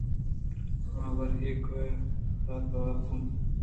آ برے یکےءَرا توار کنت